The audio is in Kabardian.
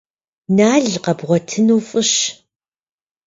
Нал къэбгъуэтыну фӏыщ.